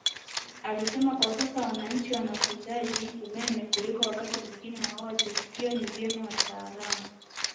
Alisema kwa Sasa wananchi wanahitaji umeme kuliko wakati mwingine wowote hivyo Ni vyema wataalamu